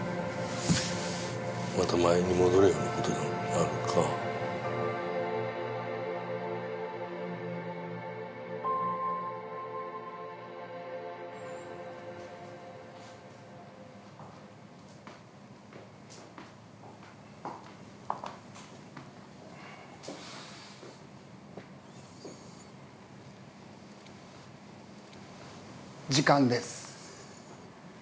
また前に戻るようなことになるか。・時間です。